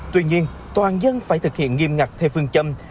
tuy nhiên toàn dân phải thực hiện nghiêm ngặt theo phương châm